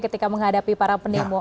ketika menghadapi para penemo